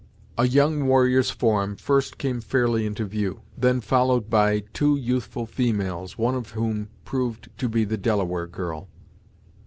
A young warrior's form first came fairly into view; then followed two youthful females, one of whom proved to be the Delaware girl.